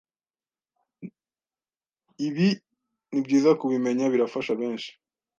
Ibi nibyiza kubimenya birafasha benshi